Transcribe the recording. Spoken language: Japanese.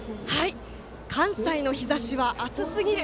関西の日ざしは暑すぎる！